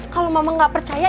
kalau mama gak percaya